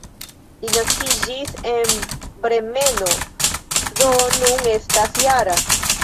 Li naskiĝis en Bremeno, do nun estas -jara.